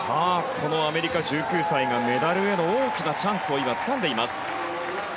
このアメリカ、１９歳がメダルへの大きなチャンスを今、つかんでいます。